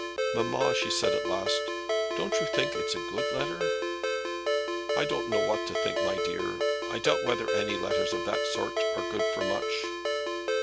"Mamma," she said at last, "don't you think it's a good letter?" "I don't know what to think, my dear. I doubt whether any letters of that sort are good for much."